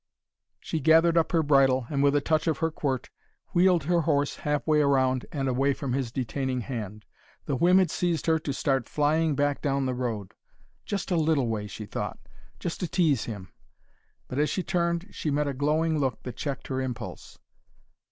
She gathered up her bridle and with a touch of her quirt wheeled her horse half way around and away from his detaining hand. The whim had seized her to start flying back down the road, "just a little way," she thought, "just to tease him." But as she turned she met a glowing look that checked her impulse.